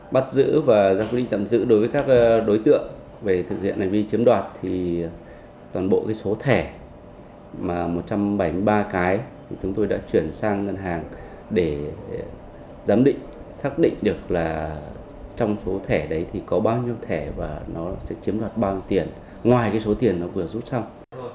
bắt giữ và giả quyết định tậm giữ đối với các đối tượng về thực hiện này vì chiếm đoạt thì toàn bộ cái số thẻ mà một trăm bảy mươi ba cái thì chúng tôi đã chuyển sang ngân hàng để giám định xác định được là trong số thẻ đấy thì có bao nhiêu thẻ và nó sẽ chiếm đoạt bao nhiêu tiền ngoài cái số tiền nó vừa rút xong